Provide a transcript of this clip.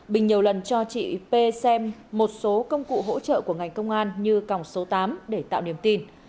bình nhiều lần cho chị p xem một số công cụ hỗ trợ của ngành công an như còng số tám để tạo niềm tin